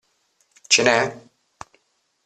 Ce n'è?